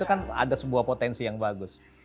itu kan ada sebuah potensi yang bagus